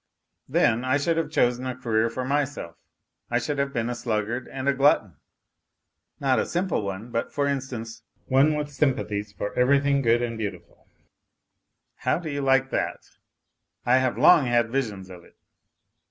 Then I should have chosen a career for myself, I should have been a sluggard and a glutton, not a simple one, but, for instance, one with sympathies for everything good and beautiful. How do 64 NOTES FROM UNDERGROUND you like that ? I have long had visions of it.